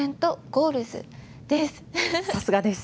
さすがです。